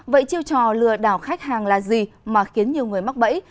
vậy chiêu trò lừa đảo khách hàng là gì mà khiến nhiều người mắc bẫy